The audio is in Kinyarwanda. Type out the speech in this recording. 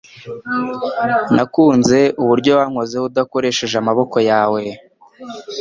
Nakunze uburyo wankozeho udakoresheje amaboko yawe